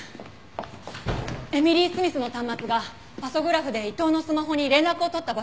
エミリー・スミスの端末がパソグラフで伊藤のスマホに連絡を取った場所がわかりました。